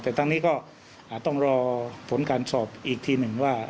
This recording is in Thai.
แต่ทั้งนี้ก็ต้องรอผลการสอบอีกทีหนึ่งว่า